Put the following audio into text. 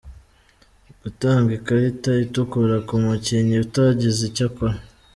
Gutanga ikarita itukura ku mukinnyi utagize icyo akora.